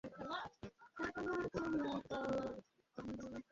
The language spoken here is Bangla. ছোট্ট থান্ডারকে বাঁচাতে তুমি উদারতা দেখিয়েছ।